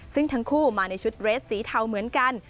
ซึ่งทั้งคู่มาในชุดเรสสีเทาเหมือนกัน